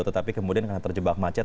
tetapi kemudian terjebak macet